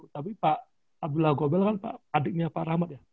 tapi pak abdullah goebel kan adiknya pak rahmat ya